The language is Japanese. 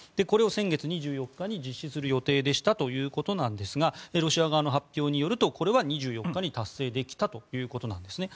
これを先月２４日に実施するということですがロシア側の発表によるとこれは２４日に達成できたということです。